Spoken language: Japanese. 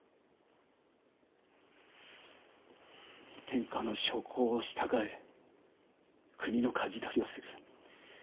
天下の諸侯を従え国のかじ取りをする。